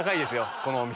このお店は。